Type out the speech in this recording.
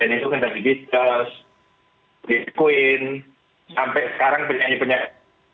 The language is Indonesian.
dan itu kan dari beatles queen sampai sekarang penyanyi penyanyi